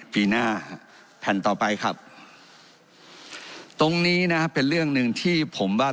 ปีหน้าแผ่นต่อไปครับตรงนี้นะครับเป็นเรื่องหนึ่งที่ผมว่า